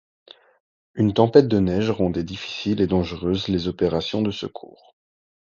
Une tempête de neige rendait difficiles et dangereuses les opérations de secours.